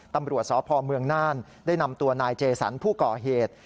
ตำรวจสพเมืองน่านได้นำตัวนายเจสันผู้ก่อเหตุ